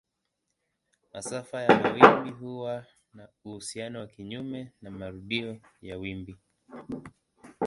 Masafa ya mawimbi huwa na uhusiano wa kinyume na marudio ya wimbi.